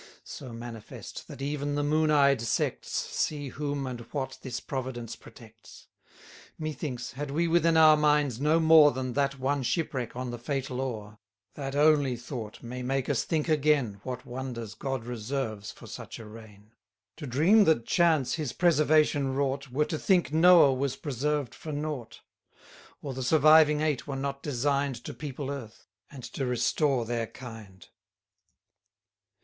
So manifest, that even the moon eyed sects See whom and what this Providence protects. Methinks, had we within our minds no more Than that one shipwreck on the fatal Ore, That only thought may make us think again, What wonders God reserves for such a reign. 100 To dream that Chance his preservation wrought, Were to think Noah was preserved for nought; Or the surviving eight were not design'd To people Earth, and to restore their kind.